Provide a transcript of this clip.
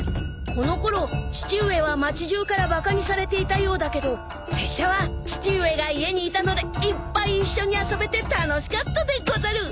［このころ父上は町中からバカにされていたようだけど拙者は父上が家にいたのでいっぱい一緒に遊べて楽しかったでござる］